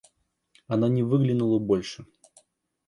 Она не выглянула больше.